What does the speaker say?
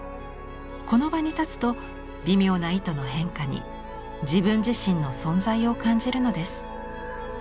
この場に立つと微妙な糸の変化に自分自身の存在を感じるのです。